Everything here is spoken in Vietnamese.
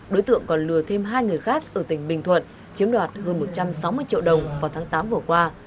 đối tượng còn lừa thêm hai người khác ở tỉnh bình thuận chiếm đoạt hơn một trăm sáu mươi triệu đồng vào tháng tám vừa qua